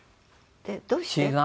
で「どうして？」。